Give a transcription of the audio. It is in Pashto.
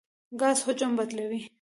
ګاز حجم بدلوي.